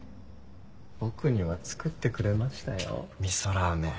僕には作ってくれましたよ味噌ラーメン。